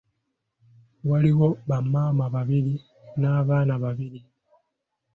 Waaliwo bamaama babiri n’abaana babiri.